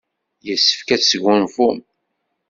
Yessefk ad tesgunfum.